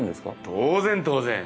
当然当然！